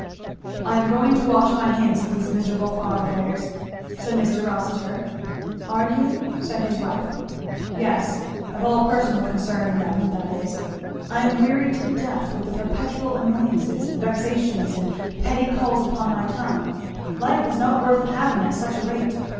"I am going to wash my hands of these miserable farm affairs," said Mr. Rossitur. "Are you?" said his wife. "Yes, of all personal concern in them, that is. I am wearied to death with the perpetual annoyances and vexations, and petty calls upon my time life is not worth having at such a rate!